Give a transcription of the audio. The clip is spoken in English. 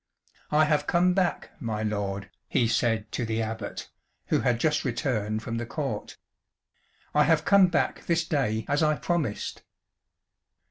"I have come back, my lord," he said to the Abbot, who had just returned from the court. "I have come back this day as I promised."